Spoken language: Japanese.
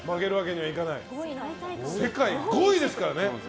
世界５位ですからね。